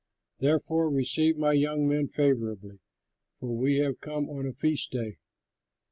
Therefore receive my young men favorably, for we have come on a feast day.